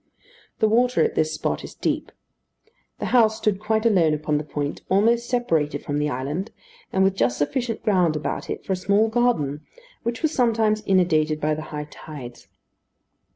The water at this spot is deep. The house stood quite alone upon the point, almost separated from the island, and with just sufficient ground about it for a small garden, which was sometimes inundated by the high tides.